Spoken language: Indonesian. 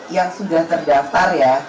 yang sudah terdaftar ya